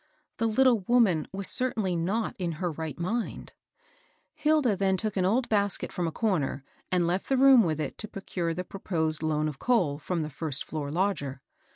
The little woman was certainly not in her right mind. Hilda then took an old basket from a comer, and left the room with it to procure the proposed loan of coal from the first floor lodger.